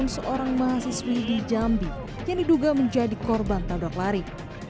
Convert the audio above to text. nasib malang menimpa yohan krasiska dua puluh tiga tahun seorang mahasiswi di jambi yang diduga menjadi korban tabrak lari